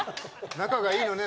仲がいいのね。